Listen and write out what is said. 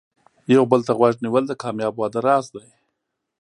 یو بل ته غوږ نیول د کامیاب واده راز دی.